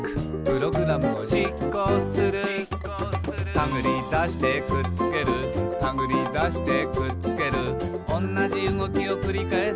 「たぐりだしてくっつけるたぐりだしてくっつける」「おんなじうごきをくりかえす」